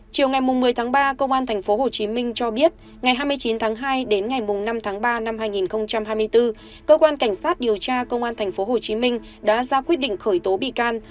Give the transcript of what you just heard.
chiều ngày một mươi tháng ba công an tp hcm cho biết ngày hai mươi chín tháng hai đến ngày năm tháng ba năm hai nghìn hai mươi bốn cơ quan cảnh sát điều tra công an tp hcm đã ra quyết định khởi tố bị can